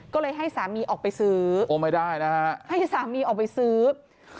ก็เลยให้สามีออกไปซื้อให้สามีออกไปซื้อโอ้ไม่ได้นะคะ